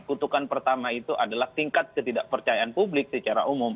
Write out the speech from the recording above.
kutukan pertama itu adalah tingkat ketidakpercayaan publik secara umum